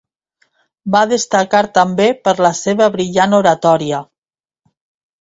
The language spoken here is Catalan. Va destacar també per la seva brillant oratòria.